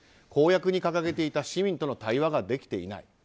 公約に掲げていた市民との対話ができていない。